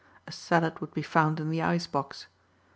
A salad would be found in the ice box.